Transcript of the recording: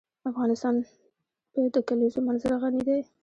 افغانستان په د کلیزو منظره غني دی.